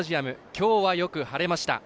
きょうは、よく晴れました。